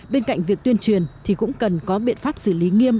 bên cạnh việc tuyên truyền thì cũng cần có biện pháp xử lý nghiêm